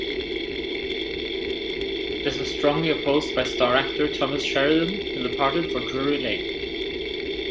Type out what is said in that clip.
This was strongly opposed by star actor Thomas Sheridan who departed for Drury Lane.